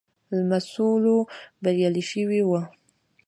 لمسولو بریالی شوی وو.